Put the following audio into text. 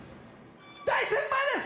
大先輩です